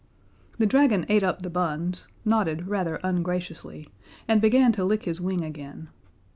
The dragon ate up the buns, nodded rather ungraciously, and began to lick his wing again.